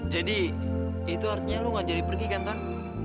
jadi itu artinya lo ngajari pergi kan ton